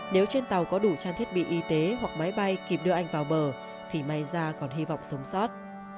nếu trên tàu có đủ trang thiết bị y tế hoặc máy bay kịp đưa anh vào bờ thì may ra còn hy vọng sống sót